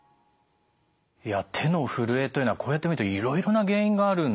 いや手のふるえというのはこうやって見るといろいろな原因があるんですね。